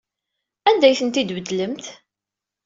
Anda ay tent-id-tbeddlem?